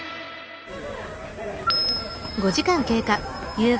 夕方。